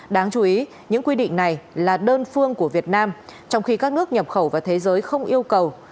đáng chú ý những quy định này là đơn phương của việt nam trong khi các nước nhập khẩu và thế giới không yêu cầu